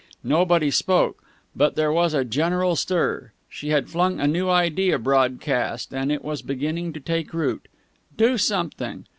Nobody spoke, but there was a general stir. She had flung a new idea broadcast, and it was beginning to take root. Do something?